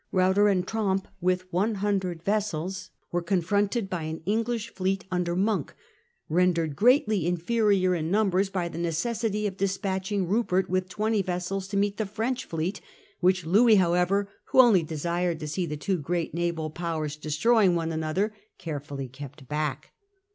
Ruyter and Tromp, with 100 vessels, were confronted by an English fleet under Monk, rendered greatly inferior in numbers by the neces sity of despatching Rupert with twenty vessels to meet the F'rench fleet, which Louis, however, who only desired to see the two great naval powers destroying one another, carefully kept back.